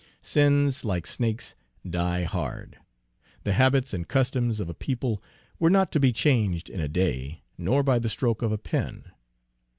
Sins, like snakes, die hard. The habits and customs of a people were not to be changed in a day, nor by the stroke of a pen.